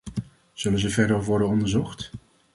Zullen ze verder worden onderzocht?